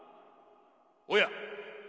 おや？